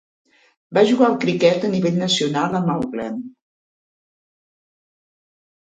Va jugar al cricket a nivell nacional amb Auckland.